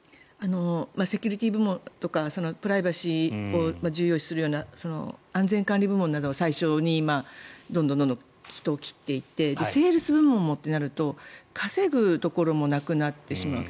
セキュリティー部門とかプライバシーを重要視するような安全管理部門などを最初にどんどん人を切っていってセールス部門もとなると稼ぐ部門もなくなってしまう。